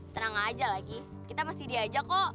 tenang aja lagi kita pasti diajak kok